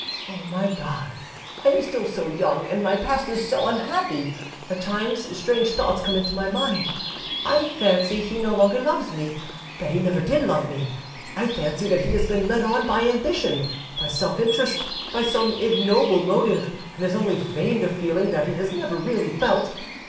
O my God, I am still so young, and my past is so unhappy. At times strange thoughts come into my mind: I fancy he no longer loves me, that he never did love me; I fancy he has been led on by ambition, by self interest, by some ignoble motive, and has only feigned a feeling that he has never really felt.